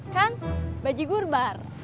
kan bajigur bar